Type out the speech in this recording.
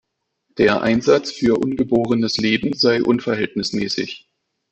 Der Einsatz für ungeborenes Leben sei unverhältnismäßig.